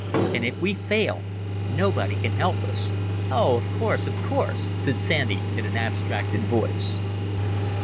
And if we fail nobody can help us." "Oh, of course, of course," said Sandy in an abstracted voice.